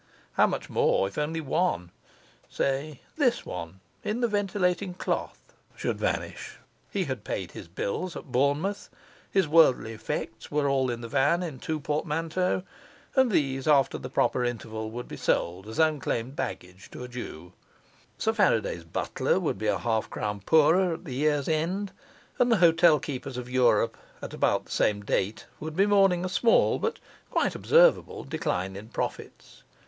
How much more, if only one say this one in the ventilating cloth should vanish! He had paid his bills at Bournemouth; his worldly effects were all in the van in two portmanteaux, and these after the proper interval would be sold as unclaimed baggage to a Jew; Sir Faraday's butler would be a half crown poorer at the year's end, and the hotelkeepers of Europe about the same date would be mourning a small but quite observable decline in profits.